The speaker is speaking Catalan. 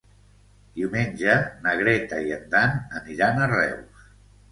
Diumenge na Greta i en Dan aniran a Reus.